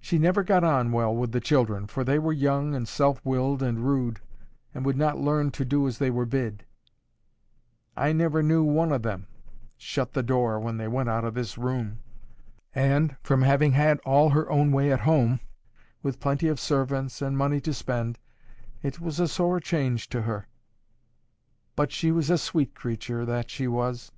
She never got on well with the children, for they were young and self willed and rude, and would not learn to do as they were bid. I never knew one o' them shut the door when they went out of this room. And, from having had all her own way at home, with plenty of servants, and money to spend, it was a sore change to her. But she was a sweet creature, that she was.